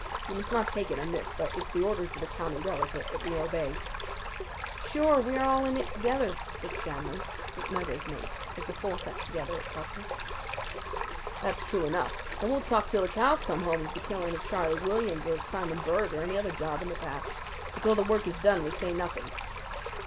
You must not take it amiss, but it is the orders of the County Delegate that we obey." "Sure, we are all in it together," said Scanlan, McMurdo's mate, as the four sat together at supper. "That's true enough, and we'll talk till the cows come home of the killing of Charlie Williams or of Simon Bird, or any other job in the past. But till the work is done we say nothing."